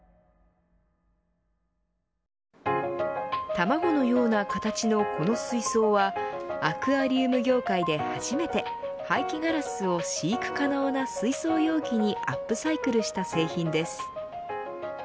卵のような形のこの水槽はアクアリウム業界で初めて廃棄ガラスを飼育可能な水槽容器にアップサイクルした製品です。